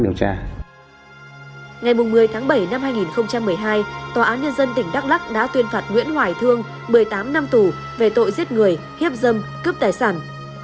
ngày một mươi tháng bảy năm hai nghìn một mươi hai tòa án nhân dân tỉnh đắk lắc đã tuyên phạt nguyễn hoài thương một mươi tám năm tù về tội giết người hiếp dâm cướp tài sản